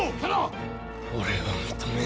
俺は認めぬ。